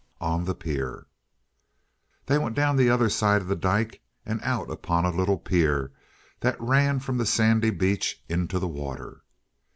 On the Pier They went down the other side of the dyke and out upon a little pier that ran from the sandy beach into the water.